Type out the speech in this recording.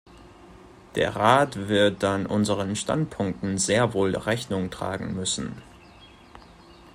Der Rat wird dann unseren Standpunkten sehr wohl Rechnung tragen müssen.